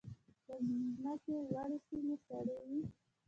د ځمکې لوړې سیمې سړې وي.